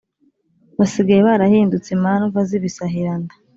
basigaye barahindutse imandwa z’ibisahiranda.